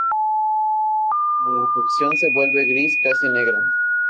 Con la cocción se vuelve gris, casi negra.